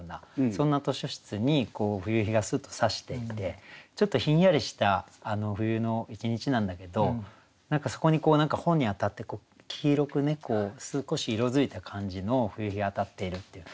そんな図書室に冬日がスッとさしていてちょっとひんやりした冬の一日なんだけど何かそこに本に当たって黄色く少し色づいた感じの冬日が当たっているっていう。